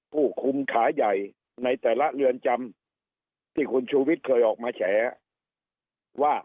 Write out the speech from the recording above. ผู้คุมขาใหญ่ในแต่ละเรือนจำที่คุณชูวิทย์เคยออกมาแฉว่า